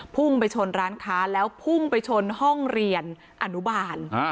พุ่งไปชนร้านค้าแล้วพุ่งไปชนห้องเรียนอนุบาล